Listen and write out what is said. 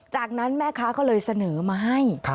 จากนั้นแม่ค้าก็เลยเสนอมาให้